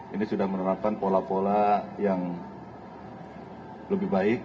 ini sudah menerapkan pola pola yang lebih baik